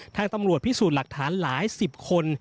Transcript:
ทางตำรวจพิสูจน์หลักฐานหลายสิบคน